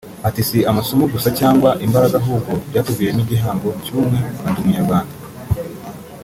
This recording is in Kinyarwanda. Ati "Si amasomo gusa cyangwa imbaraga ahubwo byatuviriyemo igihango cy’ubumwe nka ’Ndi umunyarwanda’